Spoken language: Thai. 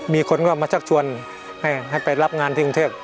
มีคนก็มาชักชวนให้ไปรับงานที่กรุงเทพ